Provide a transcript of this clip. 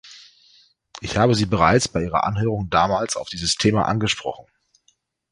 Ich habe Sie bereits bei Ihrer Anhörung damals auf dieses Thema angesprochen.